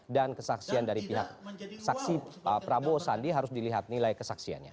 dan kesaksian dari pihak saksi prabowo sandi harus dilihat nilai kesaksiannya